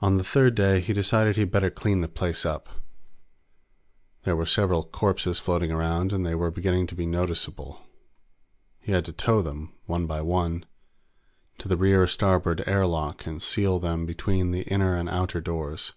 On the third day, he decided he'd better clean the place up. There were several corpses floating around, and they were beginning to be noticeable. He had to tow them, one by one, to the rear starboard air lock and seal them between the inner and outer doors.